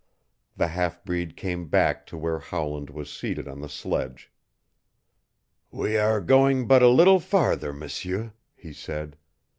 The half breed came back to where Howland was seated on the sledge. "We are going but a little farther, M'seur," he said.